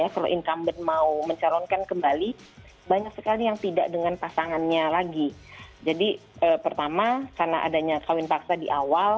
pertama ada yang mengatakan karena adanya kawin paksa di awal